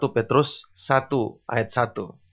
satu petrus satu ayat satu